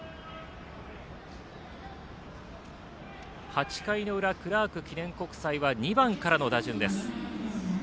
８回の裏クラーク記念国際は２番からの打順です。